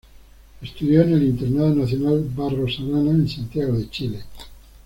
Estudió en el Internado Nacional Barros Arana en Santiago de Chile.